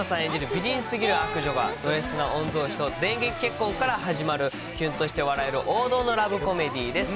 美人過ぎる悪女が、ドＳな御曹司と電撃結婚から始まるキュンとして笑える王道のラブコメディです。